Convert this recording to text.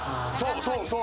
そうそう！